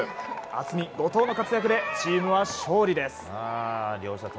渥美、５投の活躍でチームは勝利です！